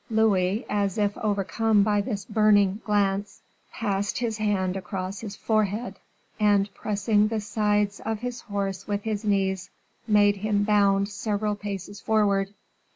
Louis, as if overcome by this burning glance, passed his hand across his forehead, and pressing the sides of his horse with his knees, made him bound several paces forward.